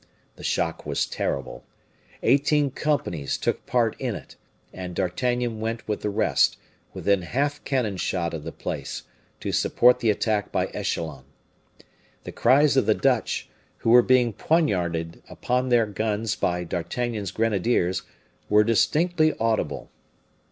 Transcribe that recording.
The shock was terrible; eighteen companies took part in it, and D'Artagnan went with the rest, within half cannon shot of the place, to support the attack by echelons. The cries of the Dutch, who were being poniarded upon their guns by D'Artagnan's grenadiers, were distinctly audible.